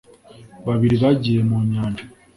babiri bagiye mu nyanja.